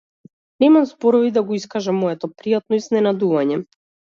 Немам зборови да го искажам моето пријатно изненадување.